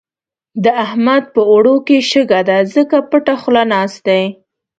د احمد په اوړو کې شګه ده؛ ځکه پټه خوله ناست دی.